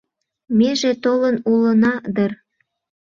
Меже толын улына дыр